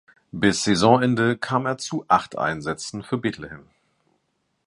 Bis Saisonende kam er zu acht Einsätzen für Bethlehem.